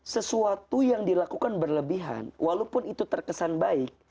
sesuatu yang dilakukan berlebihan walaupun itu terkesan baik